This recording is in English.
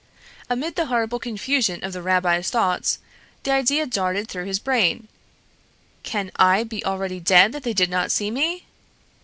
Amid the horrible confusion of the rabbi's thoughts, the idea darted through his brain: "Can I be already dead that they did not see me?"